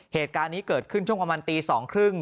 เหตุการณ์นี้เกิดขึ้นช่วงประมาณตี๒๓๐